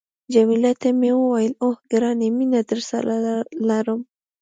جميله ته مې وویل، اوه، ګرانې مینه درسره لرم.